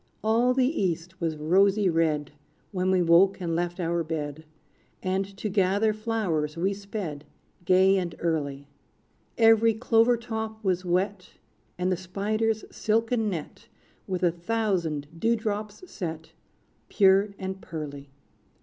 All the East was rosy red, When we woke and left our bed; And to gather flowers we sped, Gay and early. Every clover top was wet, And the spider's silken net With a thousand dew drops set, Pure and pearly.